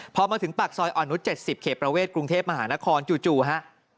พอมาถึงปากซอยอ่อนนุษย๗๐เขตประเวทกรุงเทพมหานครจู่ฮะ